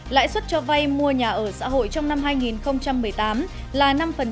lãi suất cho vay mua nhà ở xã hội trong năm hai nghìn một mươi tám là năm